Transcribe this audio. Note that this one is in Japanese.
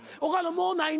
もうないな？